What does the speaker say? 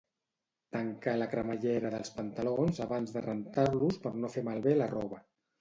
Tancar la cremallera dels pantalons abans de rentar-los per no fer malbé la roba